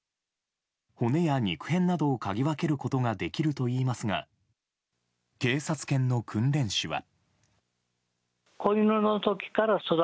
骨や肉片などをかぎ分けることができるといいますが警察犬の訓練士は。